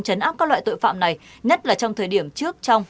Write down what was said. chấn áp các loại tội phạm này nhất là trong thời điểm trước trong